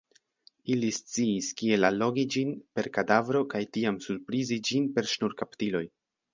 Ili sciis kiel allogi ĝin per kadavro kaj tiam surprizi ĝin per ŝnurkaptiloj.